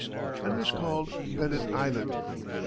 and was called Bennett Island.